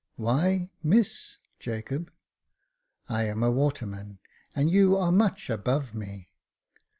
" Why, Miss, Jacob ?"*' I am a waterman, and you are much above me."